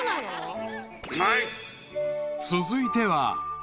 ［続いては］